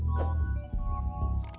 cek dulu ini mesti